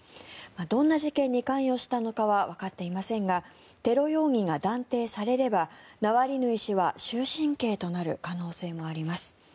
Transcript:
どんな事件に関与したのかはわかっていませんがテロ容疑が断定されればナワリヌイ氏は終身刑となる可能性もあります。